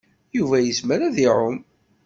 Yuba yezmer ad iɛum.